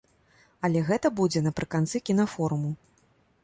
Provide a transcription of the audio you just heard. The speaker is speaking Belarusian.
Але гэта будзе напрыканцы кінафоруму.